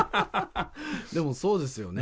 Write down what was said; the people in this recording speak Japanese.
でもそうですよね。